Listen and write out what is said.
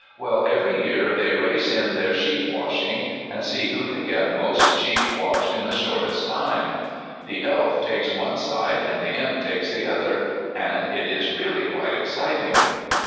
Well, every year they race in their sheep washing, and see who can get most sheep washed in the shortest time. The Elf takes one side and the Imp takes the other, and it is really quite exciting.